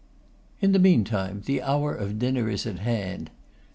In the meantime the hour of dinner is at hand.